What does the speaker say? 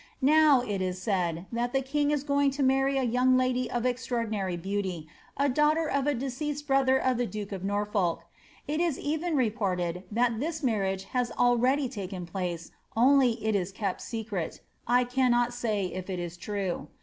Now, it is said, that the king is going to marry a youni lady of extraordinary beauty, a daughter of a deceased brother of the duke of Norfolk ; it is even reported that this marriage has already taken place, oiilj it IB kept secret ; I cannot say if it is true.